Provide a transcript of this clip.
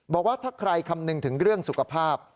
บอกว่าถ้าใครคำนึงถึงเรื่องสุขภาพ